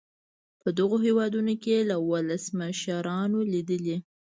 په دغو هېوادونو کې یې له ولسمشرانو لیدلي.